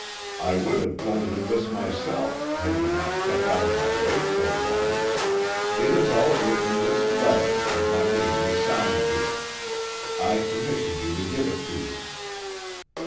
I would have told him this myself had he not kept out of my way so long; it is all written in this letter, and my name is signed to it. I commission you to give it to him.'